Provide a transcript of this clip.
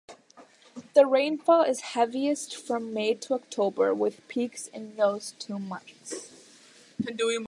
The rainfall is heaviest from May to October, with peaks in those two months.